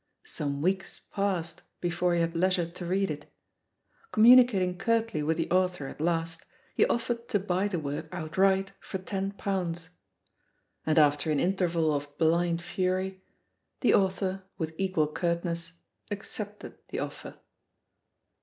Some weeks passed before he had leisure to read it. Com municating curtly with the author at last, he offered to buy the work outright for ten pounds. And after an interval of blind fury, the author with equal curtness accepted the offer.